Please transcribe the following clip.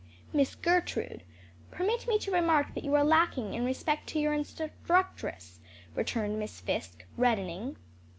"Miss Gertrude, permit me to remark that you are lacking in respect to your instructress," returned Miss Fisk, reddening.